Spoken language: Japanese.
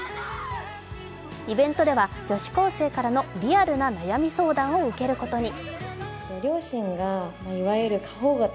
イベントでは女子高生からのリアルな悩み相談を受けることに。